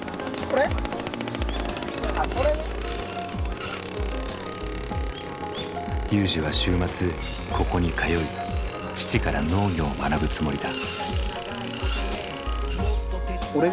ＲＹＵＪＩは週末ここに通い父から農業を学ぶつもりだ。